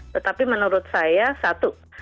tetapi menurut saya satu